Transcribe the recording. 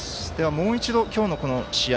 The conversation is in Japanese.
もう一度、今日の試合